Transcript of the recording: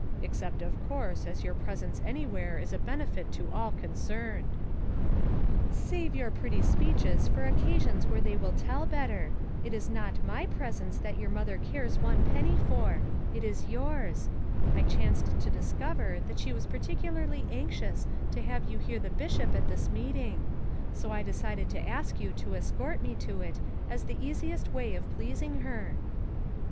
Except of course as your presence anywhere is a benefit to all concerned." "Save your pretty speeches for occasions where they will tell better; it is not my pres ence that your mother cares one penny for; it is yours, I chanced to discover that she was particularly anxious to have you hear the Bishop at this meeting; so I decided to ask you to escort me to it as the easiest way of pleas ing her."